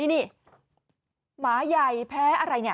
นี่หมาใหญ่แพ้อะไร